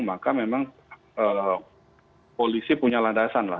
maka memang polisi punya landasan lah